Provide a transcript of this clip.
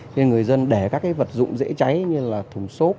thế nên người dân để các cái vật dụng dễ cháy như là thùng sốt